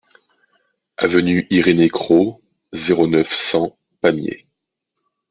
Avenue Irénée Cros, zéro neuf, cent Pamiers